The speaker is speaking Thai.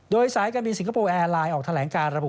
โดยสายการบินสิงคโปร์แอร์ไลน์ออกแถลงการระบุ